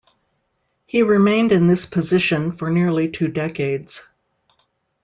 He remained in this position for nearly two decades.